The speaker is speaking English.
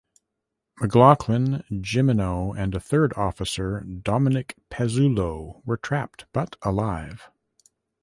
McLoughlin, Jimeno and a third officer, Dominick Pezzulo, were trapped but alive.